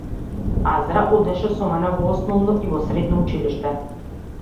Азра одеше со мене во основно и во средно училиште.